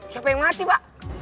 siapa yang mati pak